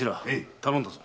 頼んだぞ。